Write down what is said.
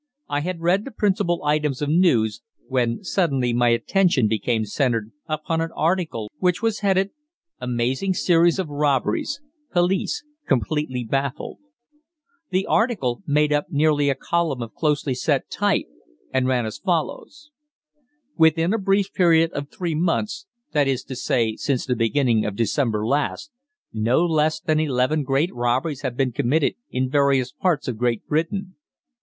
I had read the principal items of news, when suddenly my attention became centred upon an article which was headed: AMAZING SERIES OF ROBBERIES POLICE COMPLETELY BAFFLED The article made up nearly a column of closely set type, and ran as follows: Within a brief period of three months, that is to say since the beginning of December last, no less than eleven great robberies have been committed in various parts of Great Britain.